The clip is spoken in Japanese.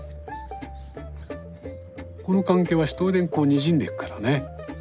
この関係はひとりでににじんでいくからね。